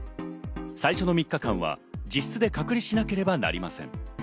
最初の３日間は自室で隔離しなければなりません。